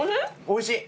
おいしい。